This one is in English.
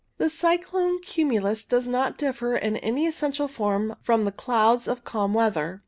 The cyclone cumulus does not differ in any essential from the clouds of calm weather.